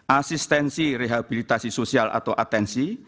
asistensi rehabilitasi sosial atau atensi